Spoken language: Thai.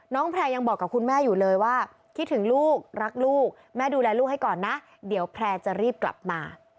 แพร่ยังบอกกับคุณแม่อยู่เลยว่าคิดถึงลูกรักลูกแม่ดูแลลูกให้ก่อนนะเดี๋ยวแพร่จะรีบกลับมา